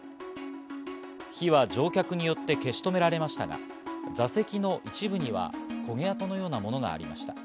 火は乗客によって消し止められましたが、座席の一部には焦げ跡のようなものがありました。